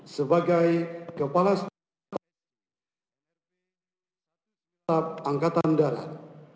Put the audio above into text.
sebagai kepala staf angkatan darat